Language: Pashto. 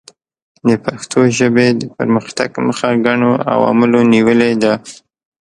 د پښتو ژبې د پرمختګ مخه ګڼو عواملو نیولې ده.